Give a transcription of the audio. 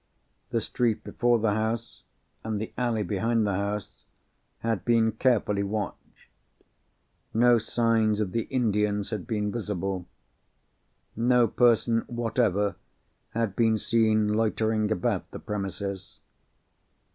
The street before the house, and the alley behind the house, had been carefully watched. No signs of the Indians had been visible. No person whatever had been seen loitering about the premises.